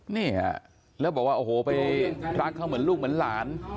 นี่ฮะแล้วบอกว่าโอ้โหไปรักเขาเหมือนลูกเหมือนหลาน